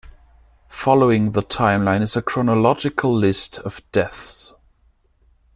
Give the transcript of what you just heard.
Following the timeline is a chronological list of deaths.